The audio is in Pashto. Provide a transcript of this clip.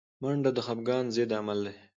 منډه د خفګان ضد عمل دی